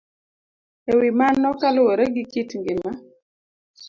E wi mano, kaluwore gi kit ngima